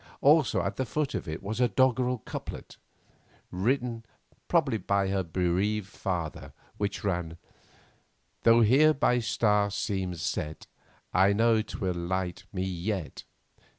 Also at the foot of it was a doggerel couplet, written probably by her bereaved father, which ran: "Though here my Star seems set, I know 'twill light me yet."